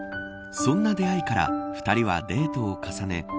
そんな出会いから２人はデートを重ね